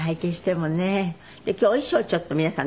今日お衣装ちょっと皆さん